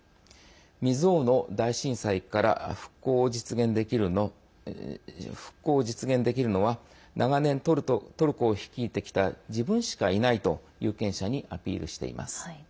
未曽有の大震災から復興を実現できるのは長年、トルコを率いてきた自分しかいないと有権者にアピールしています。